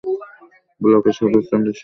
ব্লকের সদর চণ্ডীদাস নানুর।